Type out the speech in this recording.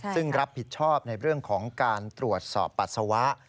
ซึ่งรับผิดชอบในเรื่องของการตรวจสอบปัสสาวะ